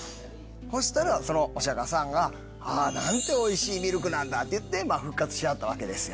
そしたらそのお釈迦さんが何ておいしいミルクなんだ！って言って復活しはったわけですよ。